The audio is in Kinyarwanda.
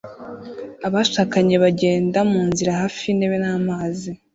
Abashakanye bagenda munzira hafi y'intebe n'amazi